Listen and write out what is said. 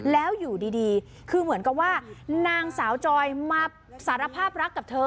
แล้วอยู่ดีคือเหมือนกับว่านางสาวจอยมาสารภาพรักกับเธอ